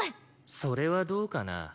それはどうかな？